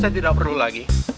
saya tidak perlu lagi